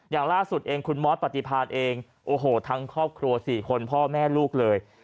อย่างล่าสุดเองคุณมอสปฏิพานเองโอ้โหทั้งครอบครัว๔คนพ่อแม่ลูกเลย